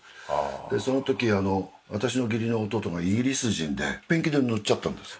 でその時私の義理の弟がイギリス人でペンキで塗っちゃったんですよ。